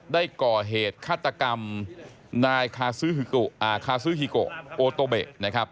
ได้ก่อเหตุฆาตกรรมนายคาซื่อฮิโกโอโตเบะนะครับ